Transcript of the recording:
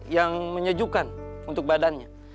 yang menyejukkan untuk badannya